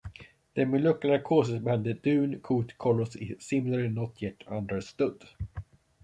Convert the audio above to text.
The molecular cause behind the dun coat colors is similarly not yet understood.